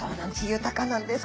豊かなんです